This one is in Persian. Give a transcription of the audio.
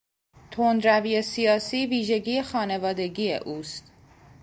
تندروی سیاسی، ویژگی خانوادگی اوست.